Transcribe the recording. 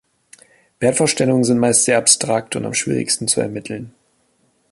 Wertvorstellungen sind meist sehr abstrakt und am schwierigsten zu ermitteln.